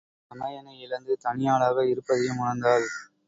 தமையனை இழந்து தனியாளாக இருப்பதையும் உணர்ந்தாள்.